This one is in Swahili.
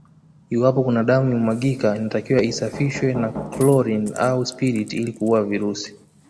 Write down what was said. Iwapo kuna damu imemwagika inatakiwa isafishwe na chlorine au spirit ili kuua virusi